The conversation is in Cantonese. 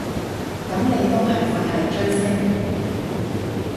噉你都係佛系追星